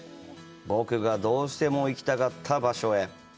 僕がどうしても行きたかった場所へ！